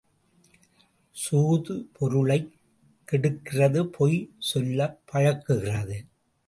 சூது பொருளைக் கெடுக்கிறது பொய் சொல்லப் பழக்குகிறது.